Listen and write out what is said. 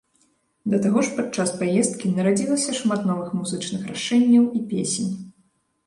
Да таго ж пад час паездкі нарадзілася шмат новых музычных рашэнняў і песень.